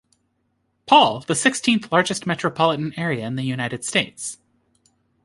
Paul, the sixteenth largest metropolitan area in the United States.